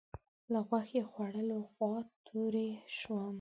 له غوښې خوړلو خوا توری شوم.